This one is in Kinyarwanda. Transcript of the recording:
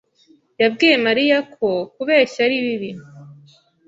yabwiye Mariya ko kubeshya ari bibi.